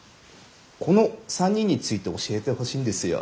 この３人について教えてほしいんですよ。